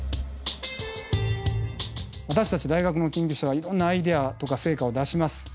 私たち大学の研究者はいろんなアイデアとか成果を出します。